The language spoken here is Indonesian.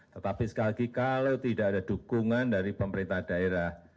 tetapi sekali lagi kalau tidak ada dukungan dari pemerintah daerah